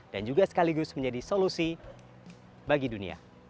dan juga sekaligus menjadi solusi bagi dunia